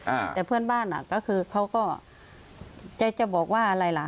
อ่าแต่เพื่อนบ้านอ่ะก็คือเขาก็จะบอกว่าอะไรล่ะ